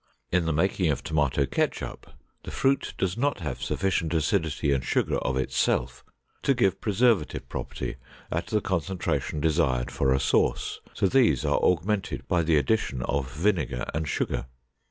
In the making of tomato ketchup, the fruit does not have sufficient acidity and sugar of itself to give preservative property at the concentration desired for a sauce, so these are augmented by the addition of vinegar and sugar.